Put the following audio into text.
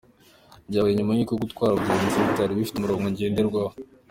Byabaye nyuma y’uko gutwara abagenzi bitari bifite umurongo ngenderwaho.